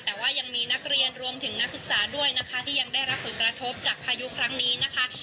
แต่ว่ายังมีนักเรียนรวมถึงนักศึกษาด้วยนะคะที่ยังได้รับผลกระทบจากพายุครั้งนี้นะคะ